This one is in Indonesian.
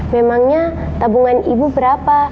memangnya tabungan ibu berapa